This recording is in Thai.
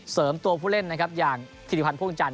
เสริมตัวผู้เล่นอย่างทิศิพรรณภูมิจันทร์